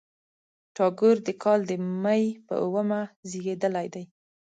ټاګور د کال د مۍ په اوومه زېږېدلی دی.